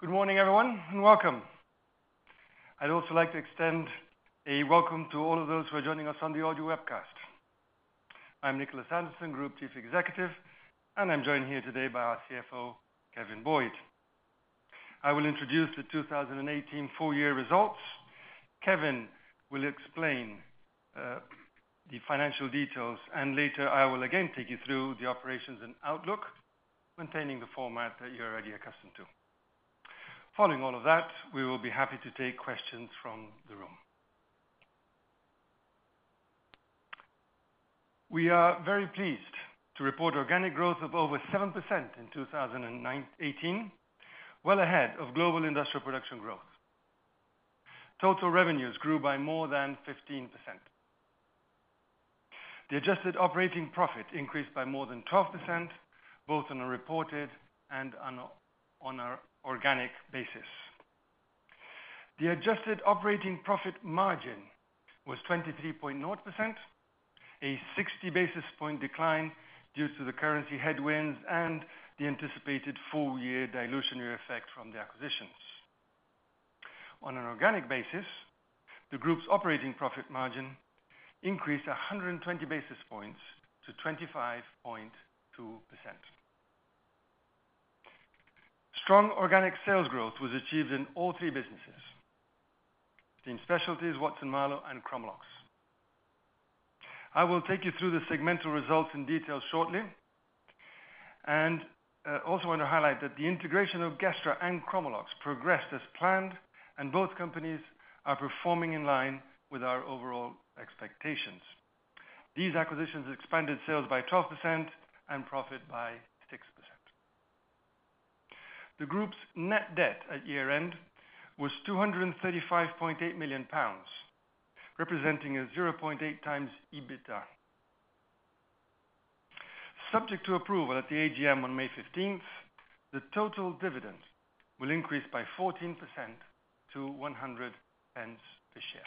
Good morning, everyone, and welcome. I'd also like to extend a welcome to all of those who are joining us on the audio webcast. I'm Nicholas Anderson, Group Chief Executive, and I'm joined here today by our CFO, Kevin Boyd. I will introduce the 2018 full year results. Kevin will explain the financial details, and later, I will again take you through the operations and outlook, maintaining the format that you're already accustomed to. Following all of that, we will be happy to take questions from the room. We are very pleased to report organic growth of over 7% in 2018, well ahead of global industrial production growth. Total revenues grew by more than 15%. The adjusted operating profit increased by more than 12%, both on a reported and on an organic basis. The adjusted operating profit margin was 23.0%, a 60 basis point decline due to the currency headwinds and the anticipated full year dilutionary effect from the acquisitions. On an organic basis, the group's operating profit margin increased 120 basis points to 25.2%. Strong organic sales growth was achieved in all three businesses: in Specialties, Watson-Marlow, and Chromalox. I will take you through the segmental results in detail shortly, and I also want to highlight that the integration of Gestra and Chromalox progressed as planned, and both companies are performing in line with our overall expectations. These acquisitions expanded sales by 12% and profit by 6%. The group's net debt at year-end was 235.8 million pounds, representing a 0.8x EBITDA. Subject to approval at the AGM on May 15th, the total dividend will increase by 14% to 1.00 per share,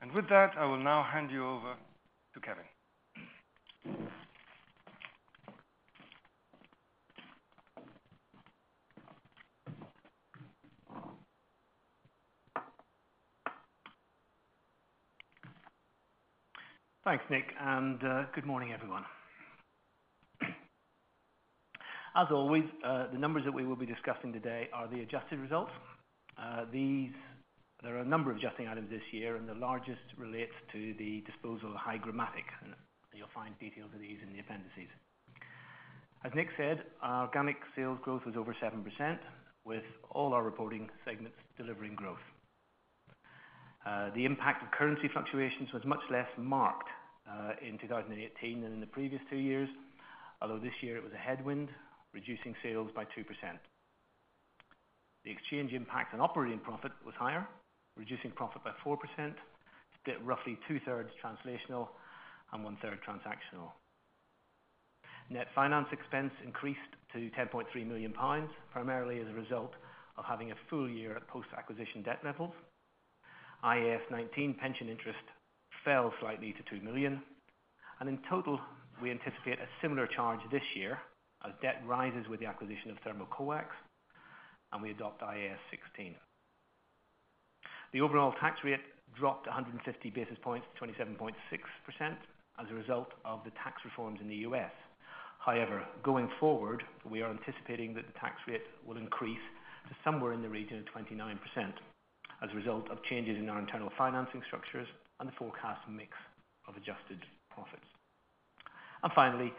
and with that, I will now hand you over to Kevin. Thanks, Nick, and good morning, everyone. As always, the numbers that we will be discussing today are the adjusted results. There are a number of adjusting items this year, and the largest relates to the disposal of HygroMatik. You'll find details of these in the appendices. As Nick said, our organic sales growth was over 7%, with all our reporting segments delivering growth. The impact of currency fluctuations was much less marked in 2018 than in the previous two years, although this year it was a headwind, reducing sales by 2%. The exchange impact on operating profit was higher, reducing profit by 4%, with roughly 2/3 translational and one-third transactional. Net finance expense increased to 10.3 million pounds, primarily as a result of having a full year at post-acquisition debt levels. IAS 19 pension interest fell slightly to 2 million, and in total, we anticipate a similar charge this year as debt rises with the acquisition of Thermocoax, and we adopt IFRS 16. The overall tax rate dropped 150 basis points to 27.6% as a result of the tax reforms in the U.S. However, going forward, we are anticipating that the tax rate will increase to somewhere in the region of 29% as a result of changes in our internal financing structures and the forecast mix of adjusted profits. And finally,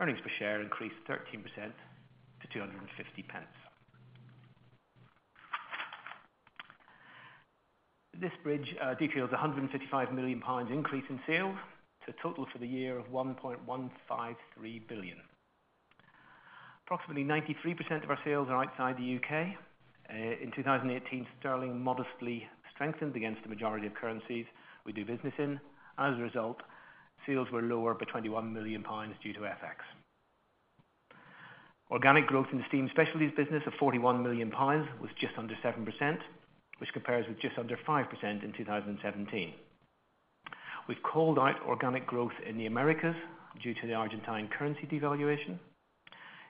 earnings per share increased 13% to 250 pence. This bridge details a 155 million pounds increase in sales to a total for the year of 1.153 billion. Approximately 93% of our sales are outside the U.K. In 2018, sterling modestly strengthened against the majority of currencies we do business in. As a result, sales were lower by 21 million pounds due to FX. Organic growth in the Steam Specialties business of 41 million pounds was just under 7%, which compares with just under 5% in 2017. We've called out organic growth in the Americas due to the Argentine currency devaluation.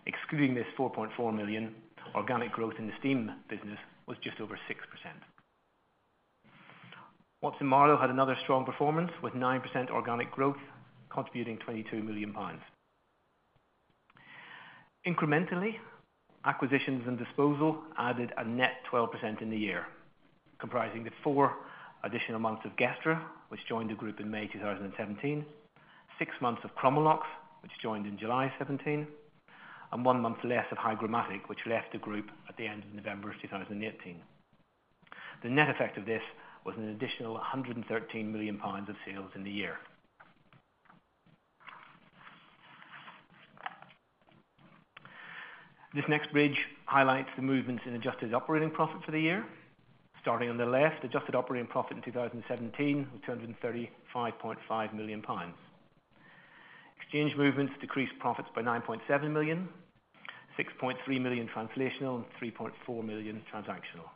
Excluding this 4.4 million, organic growth in the steam business was just over 6%. Watson-Marlow had another strong performance with 9% organic growth, contributing GBP 22 million. Incrementally, acquisitions and disposal added a net 12% in the year, comprising the four additional months of Gestra, which joined the group in May 2017, six months of Chromalox, which joined in July 2017, and one month less of HygroMatik, which left the group at the end of November of 2018. The net effect of this was an additional 113 million pounds of sales in the year. This next bridge highlights the movements in adjusted operating profit for the year. Starting on the left, adjusted operating profit in 2017 was 235.5 million pounds. Exchange movements decreased profits by 9.7 million, 6.3 million translational, and 3.4 million transactional.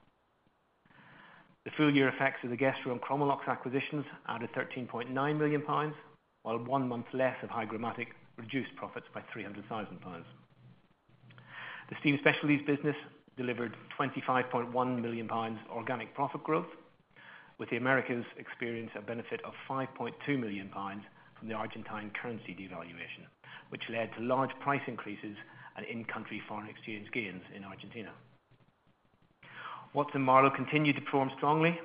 The full year effects of the Gestra and Chromalox acquisitions added 13.9 million pounds, while one month less of HygroMatik reduced profits by 300,000 pounds. The Steam Specialties business delivered 25.1 million pounds organic profit growth, with the Americas experience a benefit of 5.2 million pounds from the Argentine currency devaluation, which led to large price increases and in-country foreign exchange gains in Argentina. Watson-Marlow continued to perform strongly,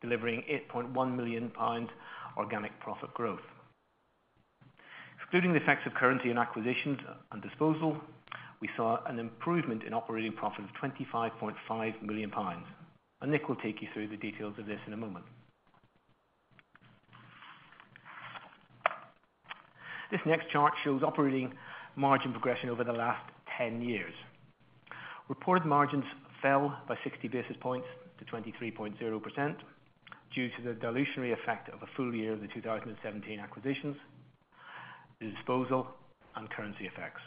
delivering 8.1 million pound organic profit growth. Excluding the effects of currency and acquisitions and disposal, we saw an improvement in operating profit of 25.5 million pounds, and Nick will take you through the details of this in a moment. This next chart shows operating margin progression over the last 10 years. Reported margins fell by 60 basis points to 23.0% due to the dilutive effect of a full year of the 2017 acquisitions, the disposal, and currency effects.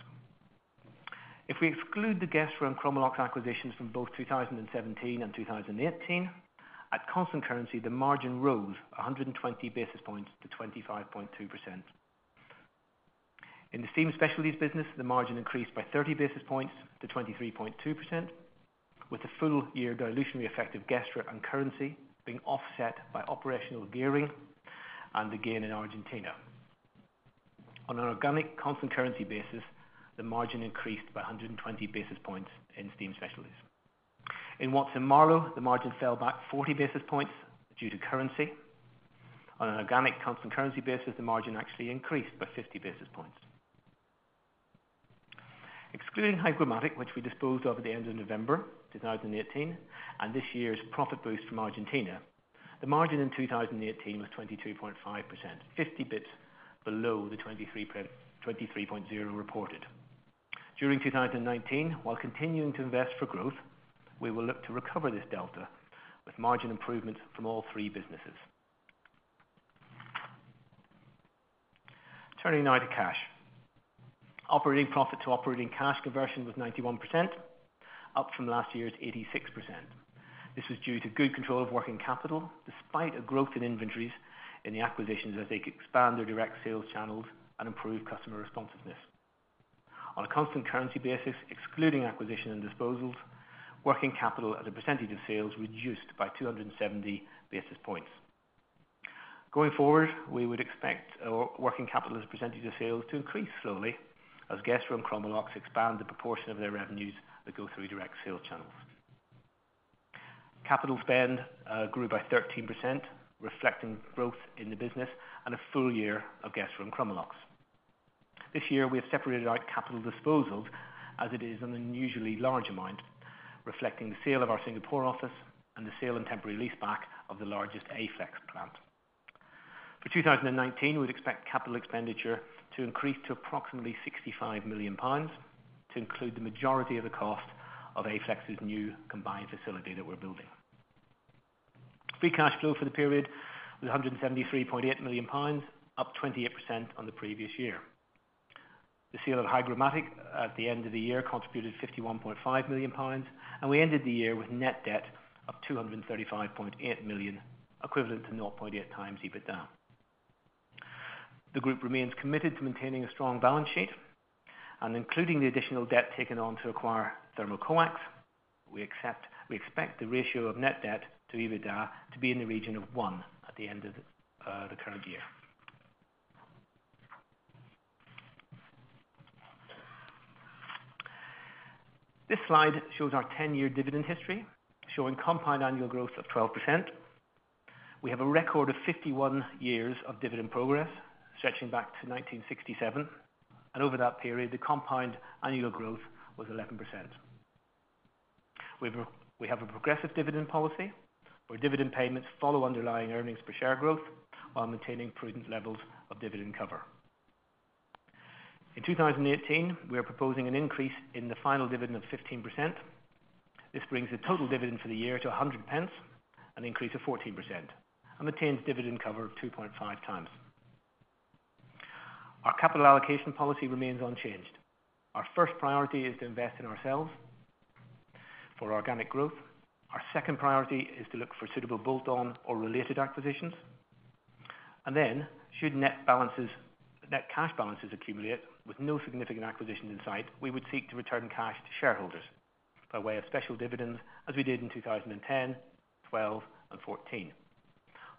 If we exclude the Gestra and Chromalox acquisitions from both 2017 and 2018, at constant currency, the margin rose 120 basis points to 25.2%. In the Steam Specialties business, the margin increased by 30 basis points to 23.2%, with the full year dilutive effect of Gestra and currency being offset by operational gearing and the gain in Argentina. On an organic constant currency basis, the margin increased by 120 basis points in Steam Specialties. In Watson-Marlow, the margin fell back 40 basis points due to currency. On an organic constant currency basis, the margin actually increased by 50 basis points. Excluding HygroMatik, which we disposed of at the end of November 2018, and this year's profit boost from Argentina, the margin in 2018 was 22.5%, 50 basis points below the 23.0% reported. During 2019, while continuing to invest for growth, we will look to recover this delta with margin improvements from all three businesses. Turning now to cash. Operating profit to operating cash conversion was 91%, up from last year's 86%. This was due to good control of working capital, despite a growth in inventories in the acquisitions, as they expand their direct sales channels and improve customer responsiveness. On a constant currency basis, excluding acquisition and disposals, working capital as a percentage of sales reduced by 270 basis points. Going forward, we would expect our working capital as a percentage of sales to increase slowly, as Gestra and Chromalox expand the proportion of their revenues that go through direct sales channels. Capital spend grew by 13%, reflecting growth in the business and a full year of Gestra and Chromalox. This year, we have separated out capital disposals, as it is an unusually large amount, reflecting the sale of our Singapore office and the sale and temporary leaseback of the largest Aflex plant. For 2019, we'd expect capital expenditure to increase to approximately 65 million pounds, to include the majority of the cost of Aflex's new combined facility that we're building. Free cash flow for the period was GBP 173.8 million, up 28% on the previous year. The sale of HygroMatik at the end of the year contributed 51.5 million pounds, and we ended the year with net debt of 235.8 million, equivalent to 0.8x EBITDA. The group remains committed to maintaining a strong balance sheet, and including the additional debt taken on to acquire Thermocoax, we expect the ratio of net debt to EBITDA to be in the region of one at the end of the current year. This slide shows our ten-year dividend history, showing compound annual growth of 12%. We have a record of 51 years of dividend progress, stretching back to 1967, and over that period, the compound annual growth was 11%. We have a progressive dividend policy, where dividend payments follow underlying earnings per share growth while maintaining prudent levels of dividend cover. In 2018, we are proposing an increase in the final dividend of 15%. This brings the total dividend for the year to 1.00, an increase of 14%, and maintains dividend cover of 2.5x. Our capital allocation policy remains unchanged. Our first priority is to invest in ourselves for organic growth. Our second priority is to look for suitable bolt-on or related acquisitions. And then, should net balances, net cash balances accumulate with no significant acquisition in sight, we would seek to return cash to shareholders by way of special dividends, as we did in 2010, 2012, and 2014.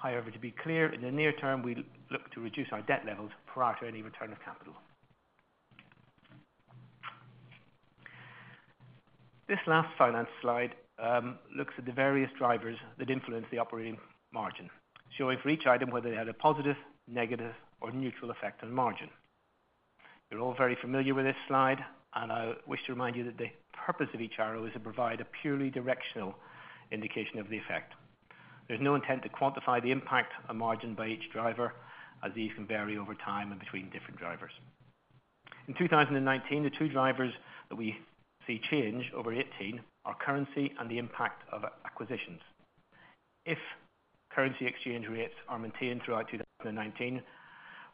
However, to be clear, in the near term, we look to reduce our debt levels prior to any return of capital. This last finance slide looks at the various drivers that influence the operating margin, showing for each item whether they had a positive, negative, or neutral effect on margin. You're all very familiar with this slide, and I wish to remind you that the purpose of each arrow is to provide a purely directional indication of the effect. There's no intent to quantify the impact on margin by each driver, as these can vary over time and between different drivers. In 2019, the two drivers that we see change over 2018 are currency and the impact of acquisitions. If currency exchange rates are maintained throughout 2019,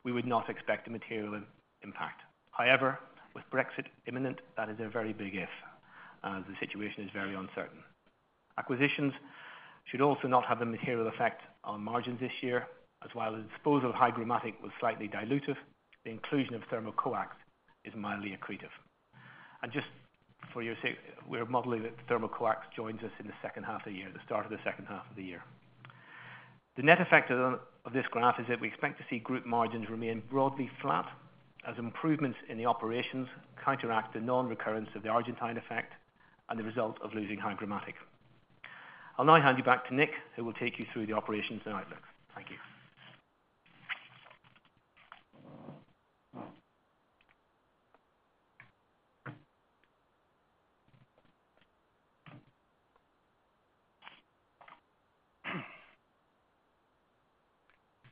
we would not expect a material impact. However, with Brexit imminent, that is a very big if, and the situation is very uncertain. Acquisitions should also not have a material effect on margins this year, as while the disposal of HygroMatik was slightly dilutive, the inclusion of Thermocoax is mildly accretive, and just for your sake, we're modeling that Thermocoax joins us in the second half of the year, the start of the second half of the year. The net effect of this graph is that we expect to see group margins remain broadly flat, as improvements in the operations counteract the non-recurrence of the Argentine effect and the result of losing HygroMatik. I'll now hand you back to Nick, who will take you through the operations and outlook. Thank you.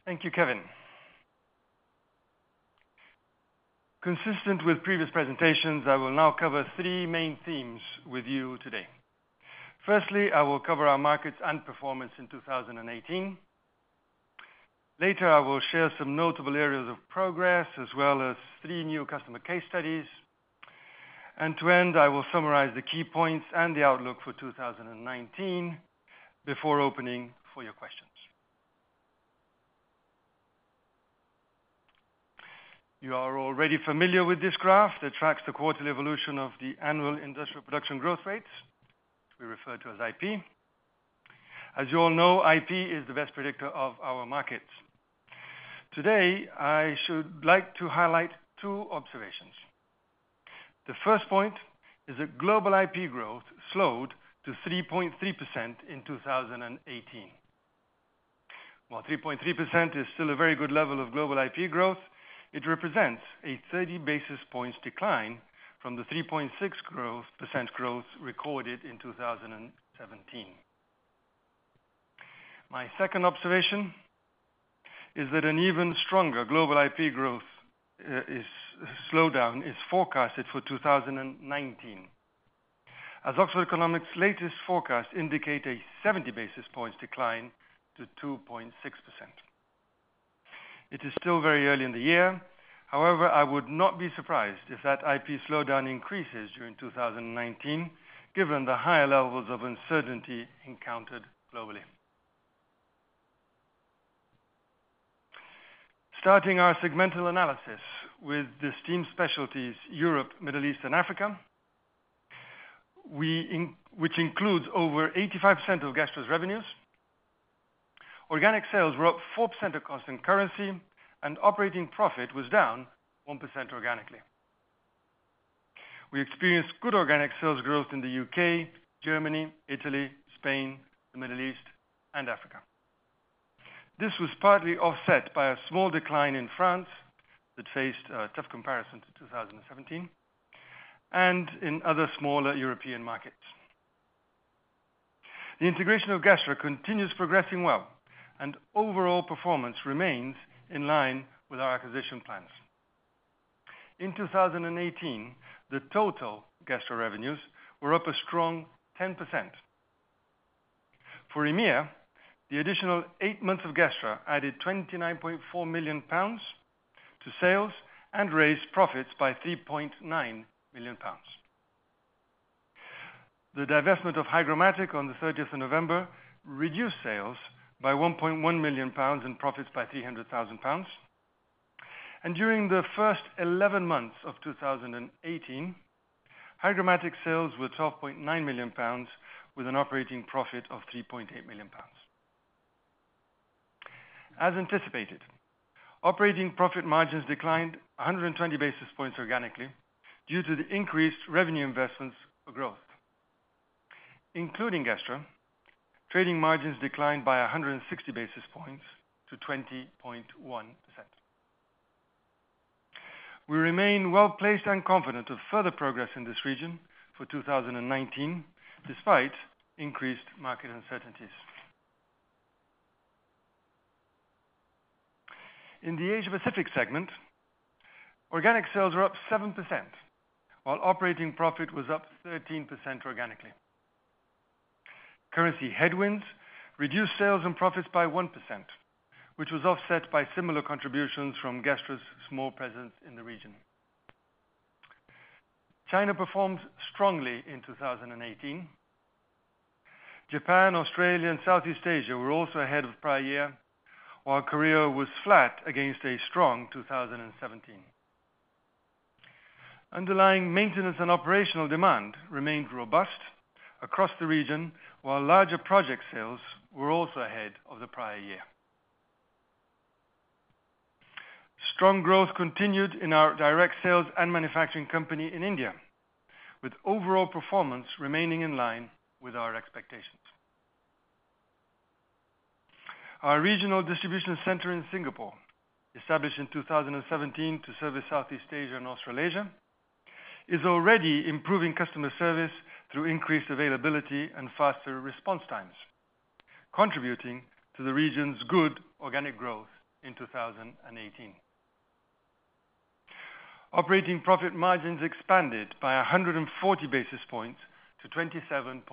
Thank you, Kevin. Consistent with previous presentations, I will now cover three main themes with you today. Firstly, I will cover our markets and performance in 2018. Later, I will share some notable areas of progress, as well as three new customer case studies, and to end, I will summarize the key points and the outlook for 2019 before opening for your questions. You are already familiar with this graph that tracks the quarterly evolution of the annual industrial production growth rates we refer to as IP. As you all know, IP is the best predictor of our markets. Today, I should like to highlight two observations. The first point is that global IP growth slowed to 3.3% in 2018. While 3.3% is still a very good level of global IP growth, it represents a 30 basis points decline from the 3.6% growth recorded in 2017. My second observation is that an even stronger global IP growth slowdown is forecasted for 2019. As Oxford Economics' latest forecast indicate a 70 basis points decline to 2.6%. It is still very early in the year, however, I would not be surprised if that IP slowdown increases during 2019, given the higher levels of uncertainty encountered globally. Starting our segmental analysis with the Steam Specialties, Europe, Middle East, and Africa, which includes over 85% of Gestra's revenues. Organic sales were up 4% of constant currency, and operating profit was down 1% organically. We experienced good organic sales growth in the UK, Germany, Italy, Spain, the Middle East, and Africa. This was partly offset by a small decline in France, that faced a tough comparison to 2017, and in other smaller European markets. The integration of Gestra continues progressing well, and overall performance remains in line with our acquisition plans. In 2018, the total Gestra revenues were up a strong 10%. For EMEA, the additional eight months of Gestra added 29.4 million pounds to sales and raised profits by 3.9 million pounds. The divestment of HygroMatik on the thirtieth of November reduced sales by 1.1 million pounds and profits by 300,000 pounds. During the first 11 months of 2018, HygroMatik sales were 12.9 million pounds, with an operating profit of 3.8 million pounds. As anticipated, operating profit margins declined 120 basis points organically, due to the increased revenue investments for growth. Including Gestra, trading margins declined by 160 basis points to 20.1%. We remain well-placed and confident of further progress in this region for 2019, despite increased market uncertainties. In the Asia Pacific segment, organic sales were up 7%, while operating profit was up 13% organically. Currency headwinds reduced sales and profits by 1%, which was offset by similar contributions from Gestra's small presence in the region. China performed strongly in 2018. Japan, Australia, and Southeast Asia were also ahead of prior year, while Korea was flat against a strong 2017. Underlying maintenance and operational demand remained robust across the region, while larger project sales were also ahead of the prior year. Strong growth continued in our direct sales and manufacturing company in India, with overall performance remaining in line with our expectations. Our regional distribution center in Singapore, established in 2017 to serve the Southeast Asia and Australasia, is already improving customer service through increased availability and faster response times, contributing to the region's good organic growth in 2018. Operating profit margins expanded by 140 basis points to 27.5%.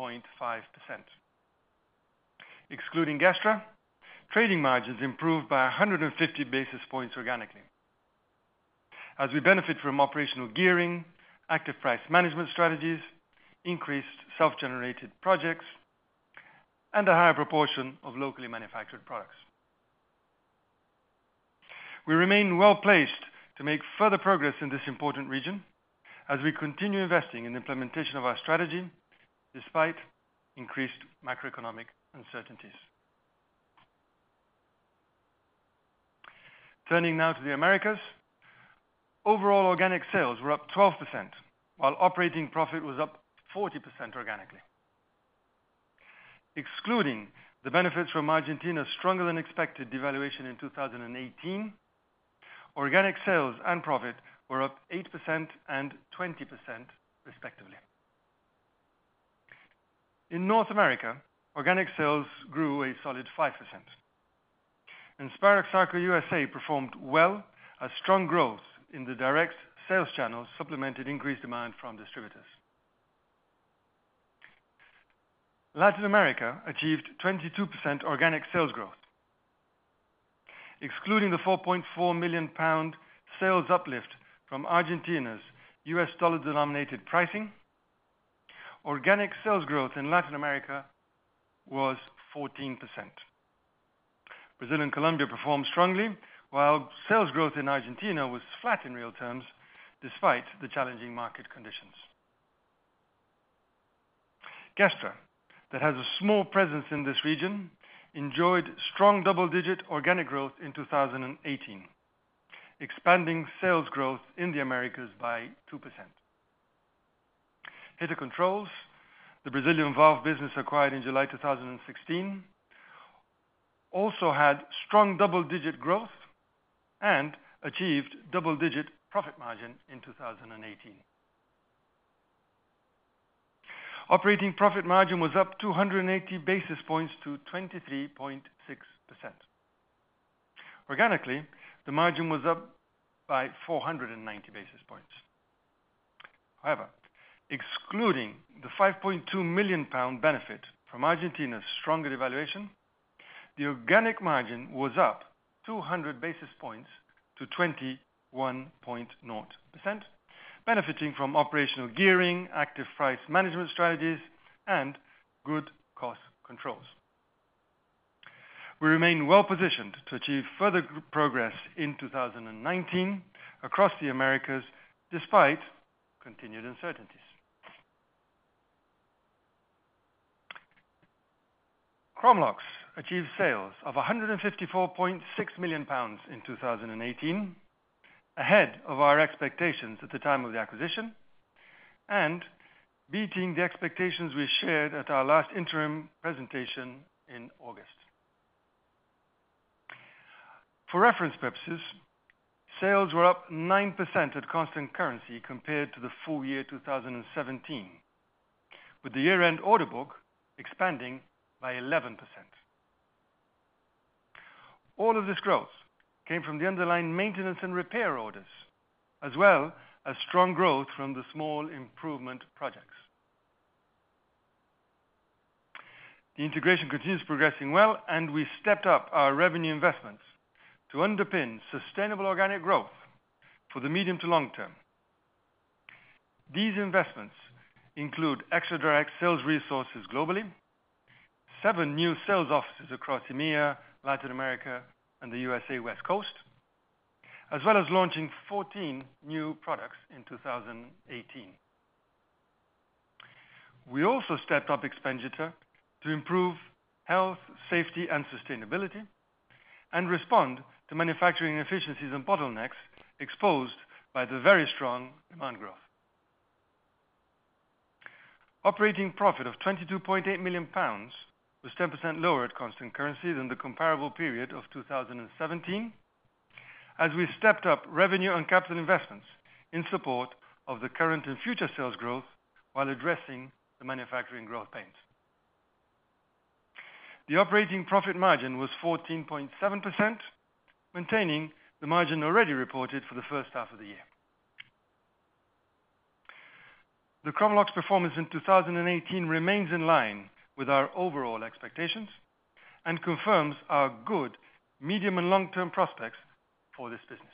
Excluding Gestra, trading margins improved by 150 basis points organically, as we benefit from operational gearing, active price management strategies, increased self-generated projects, and a higher proportion of locally manufactured products. We remain well-placed to make further progress in this important region as we continue investing in the implementation of our strategy, despite increased macroeconomic uncertainties. Turning now to the Americas, overall organic sales were up 12%, while operating profit was up 40% organically. Excluding the benefits from Argentina's stronger than expected devaluation in 2018, organic sales and profit were up 8% and 20% respectively. In North America, organic sales grew a solid 5%. Spirax Sarco USA performed well as strong growth in the direct sales channels supplemented increased demand from distributors. Latin America achieved 22% organic sales growth. Excluding the 4.4 million pound sales uplift from Argentina's US dollar-denominated pricing, organic sales growth in Latin America was 14%. Brazil and Colombia performed strongly, while sales growth in Argentina was flat in real terms, despite the challenging market conditions. Gestra, that has a small presence in this region, enjoyed strong double-digit organic growth in 2018, expanding sales growth in the Americas by 2%. Hiter Controls, the Brazilian valve business acquired in July 2016, also had strong double-digit growth and achieved double-digit profit margin in 2018. Operating profit margin was up 280 basis points to 23.6%. Organically, the margin was up by 490 basis points. However, excluding the 5.2 million pound benefit from Argentina's stronger devaluation, the organic margin was up 200 basis points to 21.0%, benefiting from operational gearing, active price management strategies, and good cost controls. We remain well-positioned to achieve further progress in 2019 across the Americas, despite continued uncertainties. Chromalox achieved sales of 154.6 million pounds in 2018, ahead of our expectations at the time of the acquisition and beating the expectations we shared at our last interim presentation in August. For reference purposes, sales were up 9% at constant currency compared to the full year 2017, with the year-end order book expanding by 11%. All of this growth came from the underlying maintenance and repair orders, as well as strong growth from the small improvement projects. The integration continues progressing well, and we stepped up our revenue investments to underpin sustainable organic growth for the medium to long term. These investments include extra direct sales resources globally, seven new sales offices across EMEA, Latin America, and the USA West Coast, as well as launching 14 new products in 2018. We also stepped-up expenditure to improve health, safety, and sustainability, and respond to manufacturing efficiencies and bottlenecks exposed by the very strong demand growth. Operating profit of 22.8 million pounds was 10% lower at constant currency than the comparable period of 2017, as we stepped up revenue and capital investments in support of the current and future sales growth while addressing the manufacturing growth pains. The operating profit margin was 14.7%, maintaining the margin already reported for the first half of the year. The Chromalox performance in 2018 remains in line with our overall expectations and confirms our good medium and long-term prospects for this business.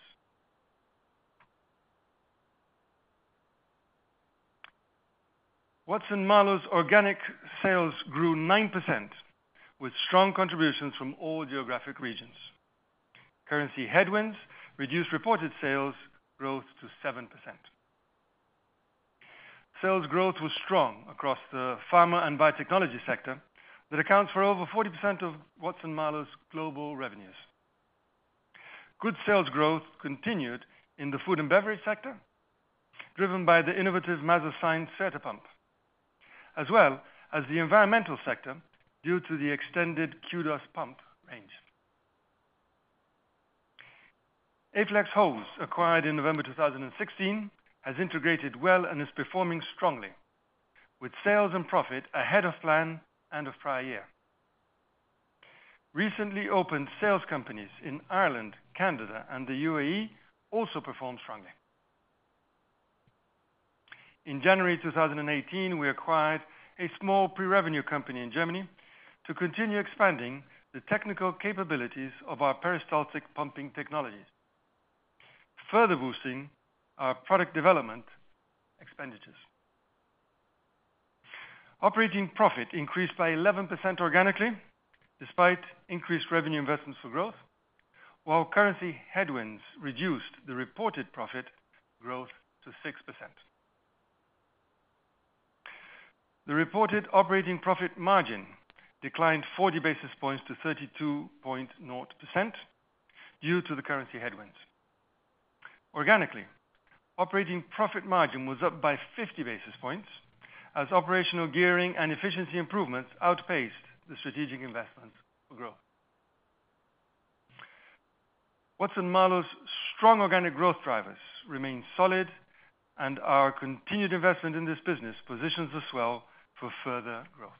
Watson-Marlow's organic sales grew 9%, with strong contributions from all geographic regions. Currency headwinds reduced reported sales growth to 7%. Sales growth was strong across the Pharma & Biotechnology sector, that accounts for over 40% of Watson-Marlow's global revenues. Good sales growth continued in the food and beverage sector, driven by the innovative MasoSine Certa pump, as well as the environmental sector, due to the extended Qdos pump range. Aflex Hose, acquired in November 2016, has integrated well and is performing strongly, with sales and profit ahead of plan and of prior year. Recently opened sales companies in Ireland, Canada, and the UAE also performed strongly. In January 2018, we acquired a small pre-revenue company in Germany to continue expanding the technical capabilities of our peristaltic pumping technologies, further boosting our product development expenditures. Operating profit increased by 11% organically, despite increased revenue investments for growth, while currency headwinds reduced the reported profit growth to 6%. The reported operating profit margin declined 40 basis points to 32.0% due to the currency headwinds. Organically, operating profit margin was up by 50 basis points, as operational gearing and efficiency improvements outpaced the strategic investments for growth. Watson-Marlow's strong organic growth drivers remain solid, and our continued investment in this business positions us well for further growth.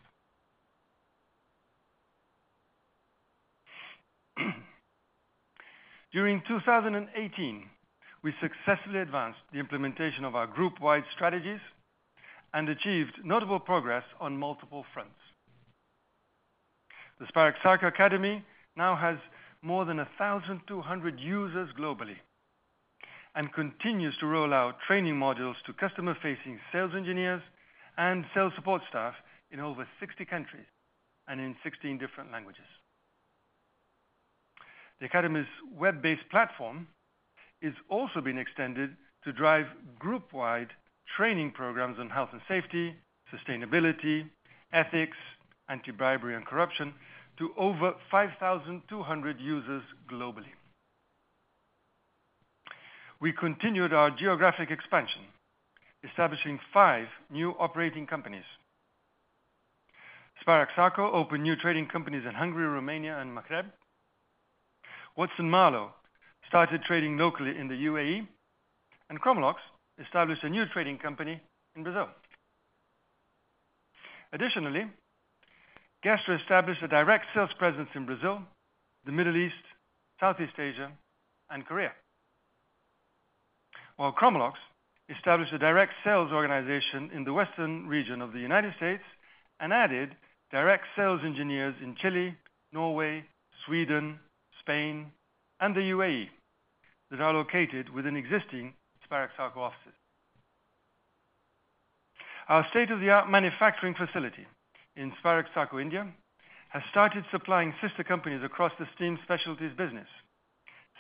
During 2018, we successfully advanced the implementation of our group-wide strategies and achieved notable progress on multiple fronts. The Spirax Sarco Academy now has more than 1,200 users globally and continues to roll out training modules to customer-facing sales engineers and sales support staff in over 60 countries and in 16 different languages. The academy's web-based platform is also being extended to drive group-wide training programs on health and safety, sustainability, ethics, anti-bribery, and corruption to over 5,200 users globally. We continued our geographic expansion, establishing 5 new operating companies. Spirax Sarco opened new trading companies in Hungary, Romania, and Maghreb. Watson-Marlow started trading locally in the UAE, and Chromalox established a new trading company in Brazil. Additionally, Gestra established a direct sales presence in Brazil, the Middle East, Southeast Asia, and Korea, while Chromalox established a direct sales organization in the West Coast of the United States and added direct sales engineers in Chile, Norway, Sweden, Spain, and the UAE, that are located within existing Spirax Sarco offices. Our state-of-the-art manufacturing facility in Spirax Sarco, India, has started supplying sister companies across the Steam Specialties business,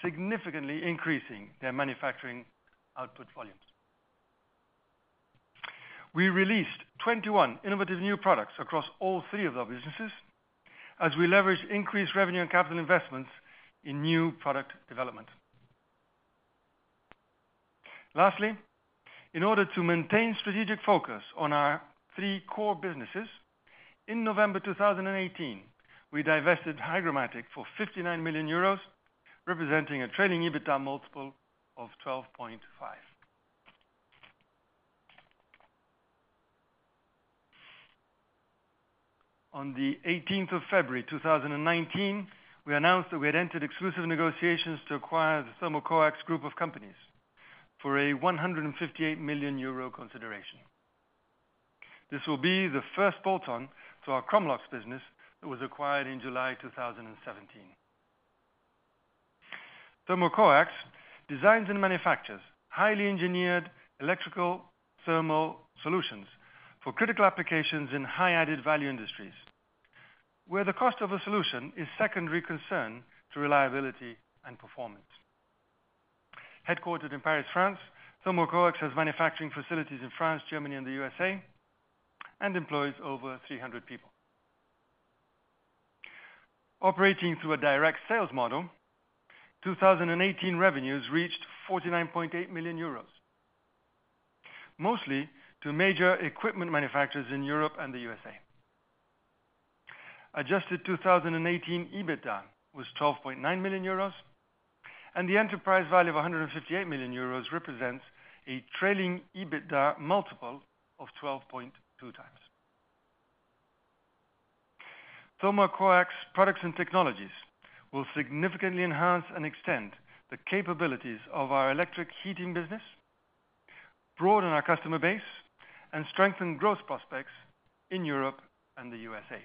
significantly increasing their manufacturing output volumes. We released 21 innovative new products across all three of our businesses, as we leveraged increased revenue and capital investments in new product development. Lastly, in order to maintain strategic focus on our three core businesses, in November 2018, we divested HygroMatik for 59 million euros, representing a trailing EBITDA multiple of 12.5. On the eighteenth of February 2019, we announced that we had entered exclusive negotiations to acquire the Thermocoax group of companies for 158 million euro consideration. This will be the first add-on to our Chromalox business that was acquired in July 2017. Thermocoax designs and manufactures highly engineered electrical thermal solutions for critical applications in high added value industries, where the cost of a solution is secondary concern to reliability and performance. Headquartered in Paris, France, Thermocoax has manufacturing facilities in France, Germany, and the USA, and employs over 300 people. Operating through a direct sales model, 2018 revenues reached 49.8 million euros, mostly to major equipment manufacturers in Europe and the USA. Adjusted EBITDA 2018 was 12.9 million euros, and the enterprise value of 158 million euros represents a trailing EBITDA multiple of 12.2x. Thermocoax products and technologies will significantly enhance and extend the capabilities of our electric heating business, broaden our customer base, and strengthen growth prospects in Europe and the USA.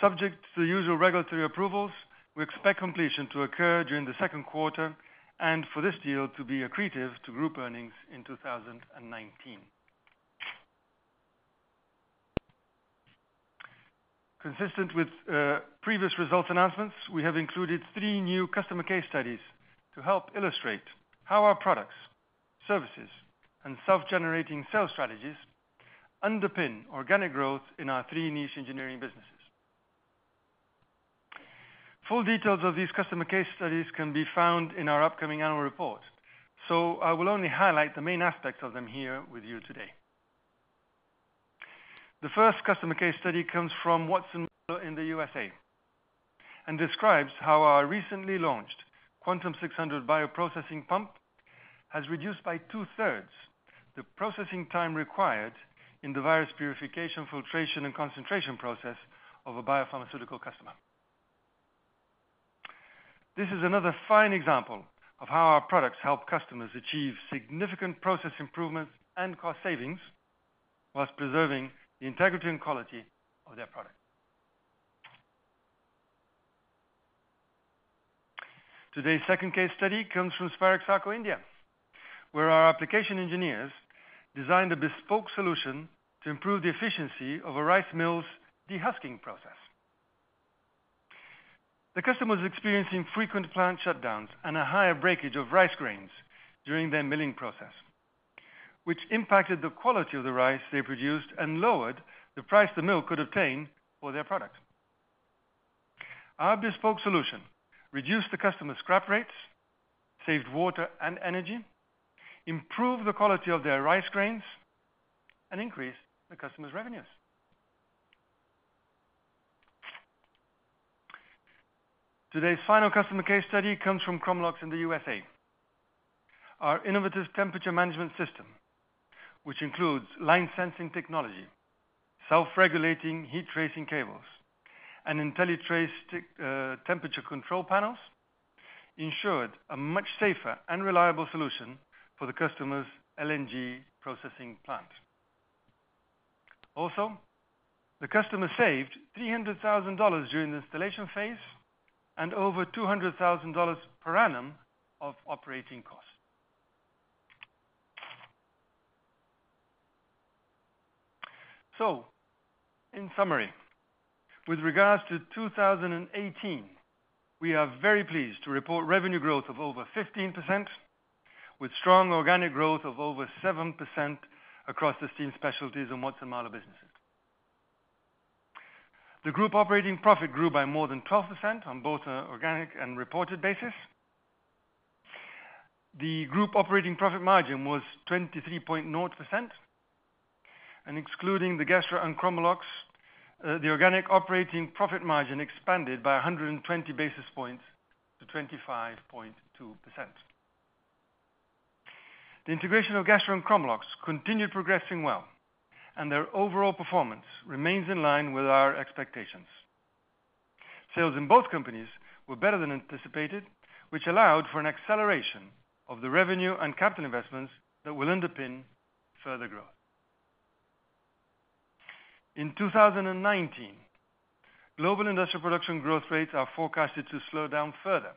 Subject to the usual regulatory approvals, we expect completion to occur during the second quarter, and for this deal to be accretive to group earnings in 2019. Consistent with previous results announcements, we have included three new customer case studies to help illustrate how our products, services, and self-generating sales strategies underpin organic growth in our three niche engineering businesses. Full details of these customer case studies can be found in our upcoming annual report, so I will only highlight the main aspects of them here with you today. The first customer case study comes from Watson-Marlow in the USA and describes how our recently launched Quantum 600 bioprocessing pump has reduced by 2/3 the processing time required in the virus purification, filtration, and concentration process of a biopharmaceutical customer. This is another fine example of how our products help customers achieve significant process improvements and cost savings, while preserving the integrity and quality of their product. Today's second case study comes from Spirax Sarco India, where our application engineers designed a bespoke solution to improve the efficiency of a rice mill's dehusking process. The customer was experiencing frequent plant shutdowns and a higher breakage of rice grains during their milling process, which impacted the quality of the rice they produced and lowered the price the mill could obtain for their product. Our bespoke solution reduced the customer's scrap rates, saved water and energy, improved the quality of their rice grains, and increased the customer's revenues. Today's final customer case study comes from Chromalox in the USA. Our innovative temperature management system, which includes line sensing technology, self-regulating heat tracing cables, and IntelliTrace temperature control panels, ensured a much safer and reliable solution for the customer's LNG processing plant. Also, the customer saved $300,000 during the installation phase and over $200,000 per annum of operating costs. In summary, with regards to 2018, we are very pleased to report revenue growth of over 15%, with strong organic growth of over 7% across the Steam Specialties and Watson-Marlow businesses. The group operating profit grew by more than 12% on both an organic and reported basis. The group operating profit margin was 23.0%, and excluding the Gestra and Chromalox, the organic operating profit margin expanded by 100 basis points to 25.2%. The integration of Gestra and Chromalox continued progressing well, and their overall performance remains in line with our expectations. Sales in both companies were better than anticipated, which allowed for an acceleration of the revenue and capital investments that will underpin further growth. In 2019, global industrial production growth rates are forecasted to slow down further.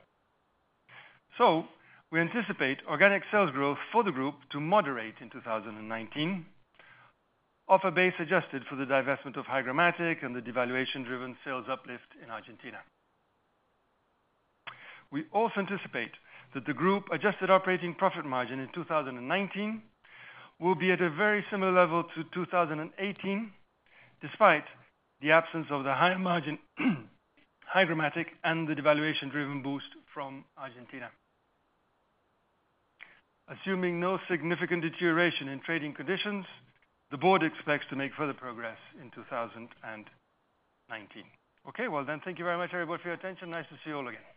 We anticipate organic sales growth for the group to moderate in 2019, off a base adjusted for the divestment of HygroMatik and the devaluation-driven sales uplift in Argentina. We also anticipate that the group adjusted operating profit margin in 2019 will be at a very similar level to 2018, despite the absence of the higher margin HygroMatik and the devaluation-driven boost from Argentina. Assuming no significant deterioration in trading conditions, the board expects to make further progress in 2019. Okay, well then, thank you very much, everybody, for your attention. Nice to see you all again.